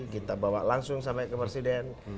kita bawa langsung sampai ke presiden